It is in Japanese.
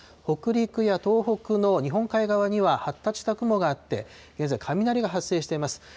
北陸や東北の日本海側には発達した雲があって、現在、雷が発生しています。